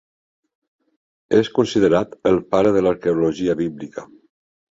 És considerat el pare de l'Arqueologia bíblica.